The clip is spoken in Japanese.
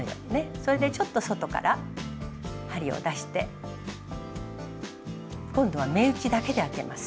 それでちょっと外から針を出して今度は目打ちだけで開けます。